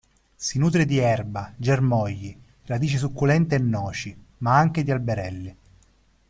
Si nutre di erba, germogli, radici succulente e noci, ma anche di alberelli.